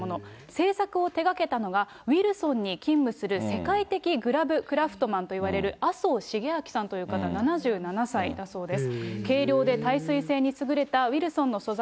製作を手がけたのは、ウイルソンに勤務する世界的グラブクラフトマンといわれる麻生しげあきさんという方７７歳だそうです。